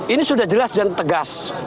ini sudah jelas dan tegas